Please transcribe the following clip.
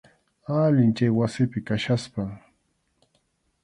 Allin chay wasipi kachkaspam.